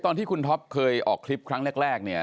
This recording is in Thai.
ตอนที่คุณท็อปเคยออกคลิปครั้งแรกเนี่ย